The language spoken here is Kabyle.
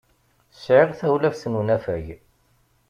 Sɛiɣ tawlaft n unafag.